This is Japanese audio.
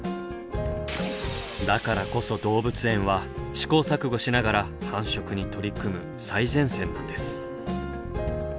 だからこそ動物園は試行錯誤しながら繁殖に取り組む最前線なんです。